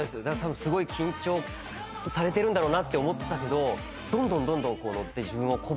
すごい緊張されてるんだろうなって思ったけどどんどんどんどんノッて。